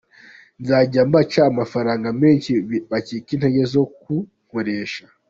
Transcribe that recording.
Nzajya mbaca amafaranga menshi bacike intege zo kunkoresha.